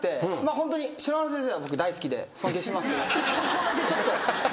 ホントに篠原先生は僕大好きで尊敬してますけどそこだけちょっと。